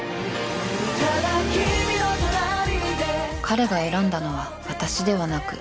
彼が選んだのは私ではなく。